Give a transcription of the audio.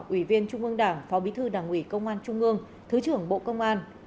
ủy viên trung ương đảng phó bí thư đảng ủy công an trung ương thứ trưởng bộ công an